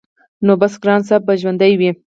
نو بس ګران صاحب به ژوندی وي-